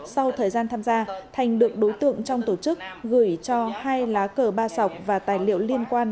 sau thời gian tham gia thành được đối tượng trong tổ chức gửi cho hai lá cờ ba sọc và tài liệu liên quan